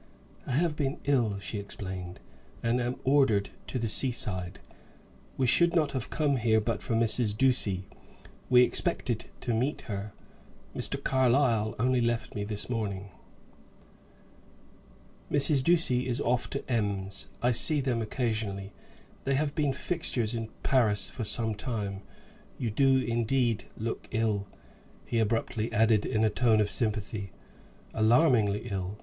"I have been ill," she explained, "and am ordered to the sea side. We should not have come here but for Mrs. Ducie; we expected to meet her. Mr. Carlyle only left me this morning." "Mrs. Ducie is off to Ems. I see them occasionally. They have been fixtures in Paris for some time. You do indeed look ill," he abruptly added, in a tone of sympathy, "alarmingly ill.